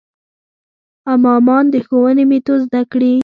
امامان د ښوونې میتود زده کړي.